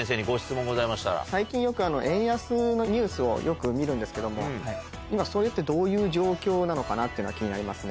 最近よく円安のニュースをよく見るんですけども今それって。っていうのが気になりますね。